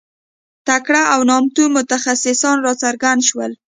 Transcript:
تکړه او نامتو متخصصان راڅرګند شول.